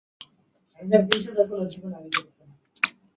Arrowhead প্রজেক্টের সব কিছু!